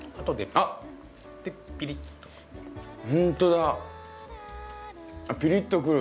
あっピリッとくる。